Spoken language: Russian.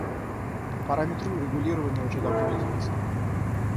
Параметры урегулирования уже давно известны.